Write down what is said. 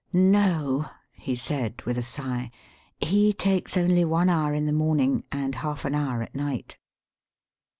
No," he said, with a sigh ;he takes only one hour in the morning and half an hour at pight."